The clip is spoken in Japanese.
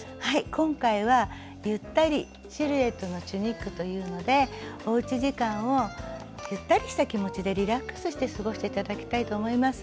今回は「ゆったりシルエットのチュニック」というのでおうち時間をゆったりした気持ちでリラックスして過ごして頂きたいと思います。